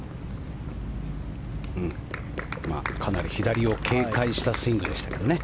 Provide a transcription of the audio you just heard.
かなり左を警戒したスイングでしたけどね。